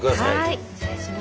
はい失礼します。